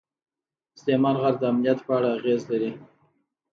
سلیمان غر د امنیت په اړه اغېز لري.